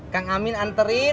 kang amin anterin